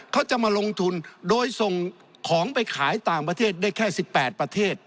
เขาจะมาลงทุนโดยส่งของไปขายต่างประเทศได้แค่๑๘ประเทศ